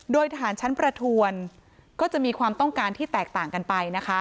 โดยทหารชั้นประทวนก็จะมีความต้องการที่แตกต่างกันไปนะคะ